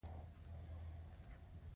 ایا خلک کولای شي پایداره سولې ته ورسیږي؟